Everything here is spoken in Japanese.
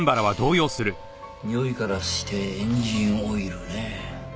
においからしてエンジンオイルね。